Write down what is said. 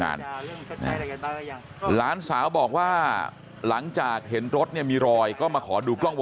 งานหลานสาวบอกว่าหลังจากเห็นรถมีรอยก็มาขอดูกล้อง